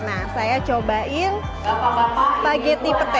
nah saya cobain spagetti pete